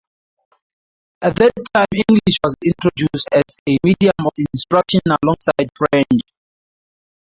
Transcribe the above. At that time English was introduced as a medium of instruction alongside French.